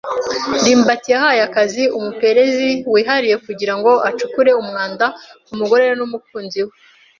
ndimbati yahaye akazi umupererezi wihariye kugira ngo acukure umwanda ku mugore we n'umukunzi we.